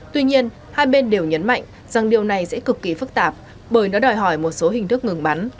tuy nhiên hai bên đều nhấn mạnh rằng điều này sẽ cực kỳ phức tạp bởi nó đòi hỏi một số hình thức ngừng bắn